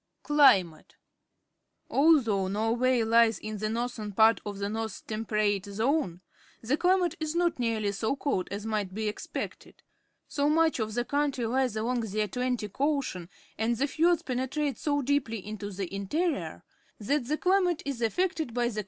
Climate. — Although Norway lies in the northern part of the North Temperate Zone, the chmate is not nearly so cold as might be expected. So much of the country' lies along the Atlantic Ocean and the fiords penetrate so deeply into the interior that the chmate is affected by the com.